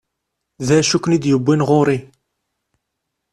D acu i ken-id-yewwin ɣur-i?